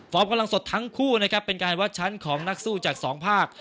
กำลังสดทั้งคู่นะครับเป็นการวัดชั้นของนักสู้จากสองภาค